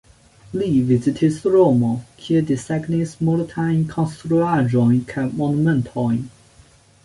Li vizitis Romon, kie desegnis multajn konstruaĵojn kaj monumentojn.